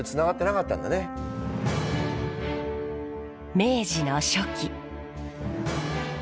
明治の初期。